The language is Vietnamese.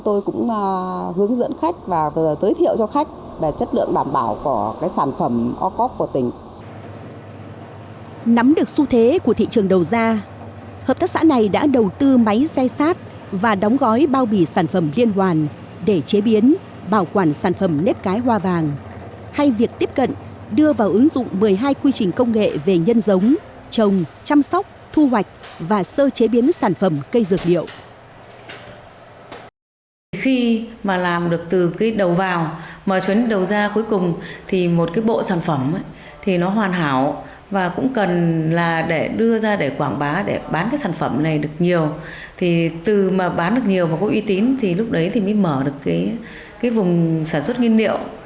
từ mà bán được nhiều và có uy tín thì lúc đấy thì mới mở được cái vùng sản xuất nghiên điệu cho cơ sở cũng như cho lông dân